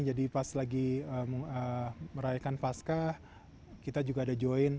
jadi pas lagi merayakan pascah kita juga ada join